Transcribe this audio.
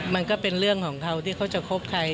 มันก็เป็นเรื่องของเขาที่เขาจะคบใคร